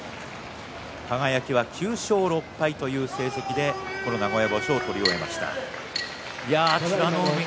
輝は９勝６敗という成績で、この名古屋場所を取り終えました。